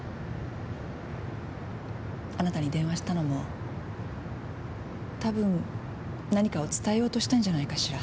あなたに電話したのも多分何かを伝えようとしたんじゃないかしら。